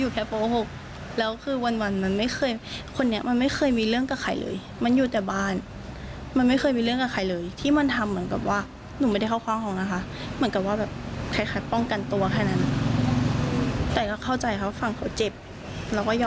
เพราะว่าปนมเขาก็โต๊ะกว่าด้วย